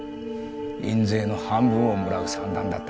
印税の半分をもらう算段だったからなあ。